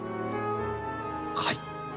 はい。